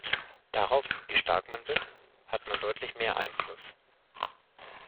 Darauf, wie stark man wird, hat man deutlich mehr Einfluss.